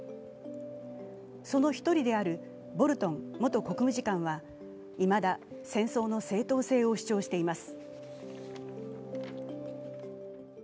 その一人であるボルトン元国務次官はいまだ戦争の正当性を主張しています。